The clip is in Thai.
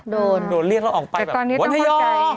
โดนโดนเรียกเราออกไปแบบวันใหญ่